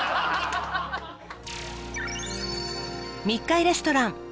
密会レストラン